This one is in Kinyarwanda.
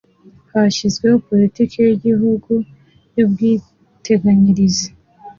hashyizweho politiki y'igihugu y'ubwiteganyirize